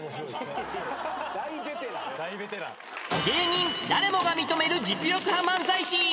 ［芸人誰もが認める実力派漫才師］